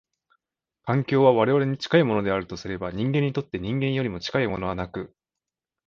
環境は我々に近いものであるとすれば、人間にとって人間よりも近いものはなく、